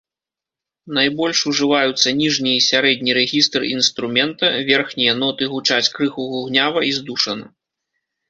Найбольш ужываюцца ніжні і сярэдні рэгістр інструмента, верхнія ноты гучаць крыху гугнява і здушана.